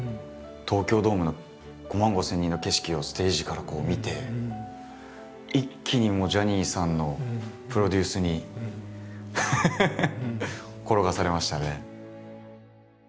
東京ドームの５万５，０００人の景色をステージからこう見て一気にジャニーさんのプロデュースに転がされましたね。